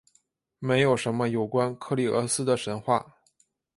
没有什么有关克利俄斯的神话。